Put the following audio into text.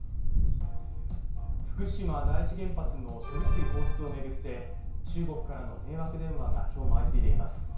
福島第一原発の処理水放出を巡って中国からの迷惑電話が今日も相次いでいます。